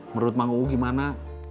menurut mang u gimana